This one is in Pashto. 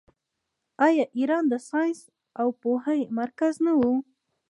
آیا ایران د ساینس او پوهې مرکز نه و؟